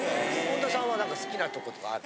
本田さんはなんか好きなとことかある？